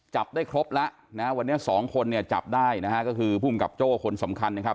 จับได้ครบแล้วนะวันนี้สองคนเนี่ยจับได้นะฮะก็คือภูมิกับโจ้คนสำคัญนะครับ